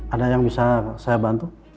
ada yang bisa saya bantu